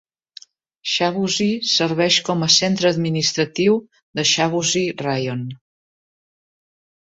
Chavusy serveix com a centre administratiu de Chavusy Raion.